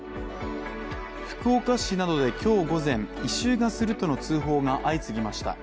福岡市などで今日午前、異臭がするとの通報が相次ぎました。